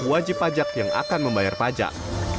wajib pajak yang akan membayar pajak